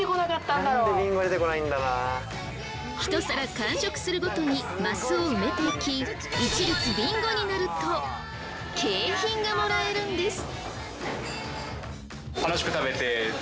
１皿完食するごとにマスを埋めていき１列ビンゴになると景品がもらえるんです。